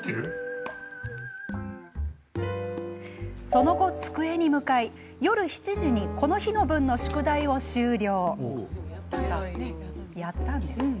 その後、机に向かい、夜７時にこの日の分の宿題を終了。